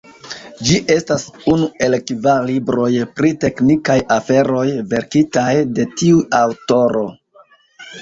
Ĝi estas unu el kvar libroj pri teknikaj aferoj verkitaj de tiu aŭtoro.